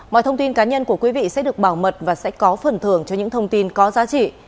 mọi thông tin cá nhân của quý vị sẽ được bảo mật và sẽ có phần thưởng cho những thông tin có giá trị